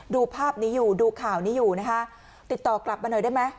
ดูภาพนี้อยู่ดูข่าวนี้อยู่นะคะติดต่อกลับมาหน่อยได้ไหม